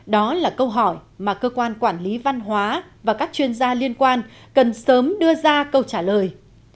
đó là câu hỏi mà cơ quan quản lý văn hóa và các chuyên gia liên quan cần sớm đưa ra câu trả lời